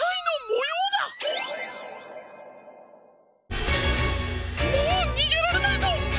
もうにげられないぞ！